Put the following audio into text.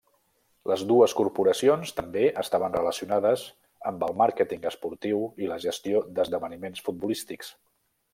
Les dues corporacions també estaven relacionades amb el màrqueting esportiu i la gestió d'esdeveniments futbolístics.